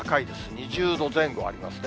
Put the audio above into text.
２０度前後ありますね。